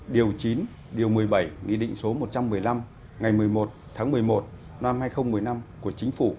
điều chín điều một mươi bảy nghị định số một trăm một mươi năm ngày một mươi một tháng một mươi một năm hai nghìn một mươi năm của chính phủ